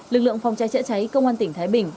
lực lượng phòng cháy chữa cháy công an tỉnh thái bình